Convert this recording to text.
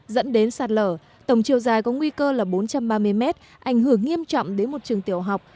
dẫn đến sạt lở tổng chiều dài có nguy cơ là bốn trăm ba mươi mét ảnh hưởng nghiêm trọng đến một trường tiểu học